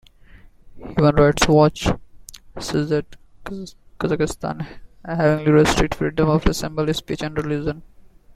Human Rights Watch says that Kazakhstan heavily restricts freedom of assembly, speech, and religion.